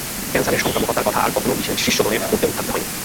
ক্যান্সারের সংক্রামকতার কথা আর কখনও শিষ্যগণের মধ্যে উত্থাপিত হয় নাই।